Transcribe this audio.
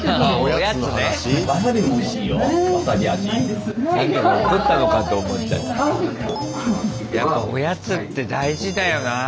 やっぱおやつって大事だよなあ。